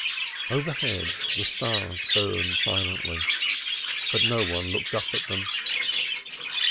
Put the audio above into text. Overhead, the stars burned silently, but no one looked up at them.